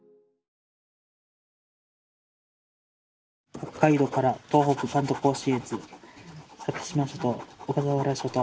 北海道から東北関東甲信越先島諸島小笠原諸島